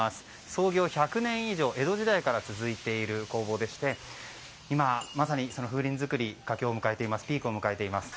創業１００年以上、江戸時代から続いている工房でして今、まさに風鈴作りがピークを迎えています。